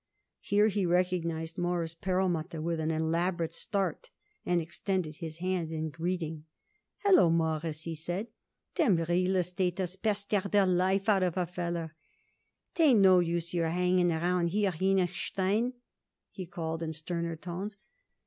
Here he recognized Morris Perlmutter with an elaborate start and extended his hand in greeting. "Hallo, Mawruss," he said. "Them real estaters pester the life out of a feller. 'Tain't no use your hanging around here, Henochstein," he called in sterner tones.